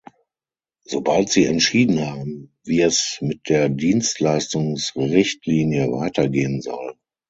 Sobald Sie entschieden haben, wie es mit der Dienstleistungsrichtlinie weitergehen soll!